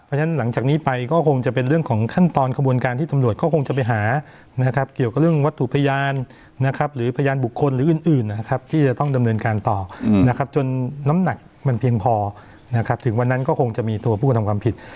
เพราะฉะนั้นหลังจากนี้ไปก็คงจะเป็นเรื่องของขั้นตอนขบวนการที่ตำรวจก็คงจะไปหานะครับเกี่ยวกับเรื่องวัตถุพยานนะครับหรือพยานบุคคลหรืออื่นนะครับที่จะต้องดำเนินการต่อนะครับจนน้ำหนักมันเพียงพอนะครับถึงวันนั้นก็คงจะมีตัวผู้กระทำความผิด